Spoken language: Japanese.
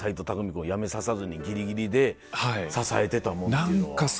君を辞めささずにギリギリで支えてたもんっていうのは。